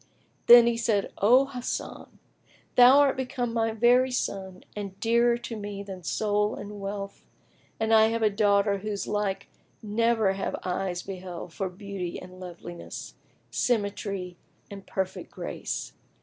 Then said he, "O Hasan, thou art become my very son and dearer to me than soul and wealth, and I have a daughter whose like never have eyes beheld for beauty and loveliness, symmetry and perfect grace.